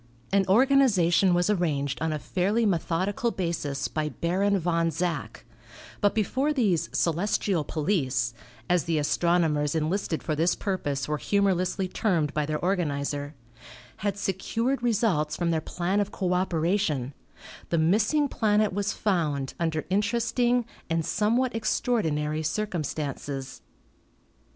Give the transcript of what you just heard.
An organization was arranged on a fairly methodical basis by Baron Von Zach; but before these "celestial police/' as the astronomers enlisted for this purpose were humorously termed by their organizer, had secured results from their plan of cooperation the 216 THE PLANETOIDS 217 missing planet was found under interesting and somewhat extraordinary circumstances.